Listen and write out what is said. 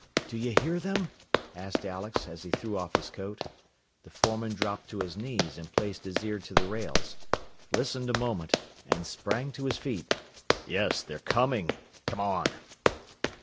"Do you hear them?" asked Alex as he threw off his coat. The foreman dropped to his knees and placed his ear to the rails, listened a moment, and sprang to his feet. "Yes, they're coming! Come on!